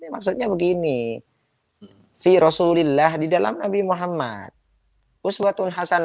maksudnya begini di rasulullah di dalam nabi muhammad